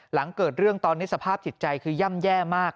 หลังเกิดเรื่องตอนนี้สภาพจิตใจคือย่ำแย่มาก